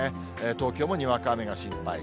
東京もにわか雨が心配。